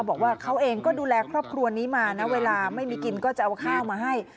บอกว่าเขาเองก็ดูแลครอบครัวนี้มานะเวลาไม่มีกินก็จะเอาข้าวมาให้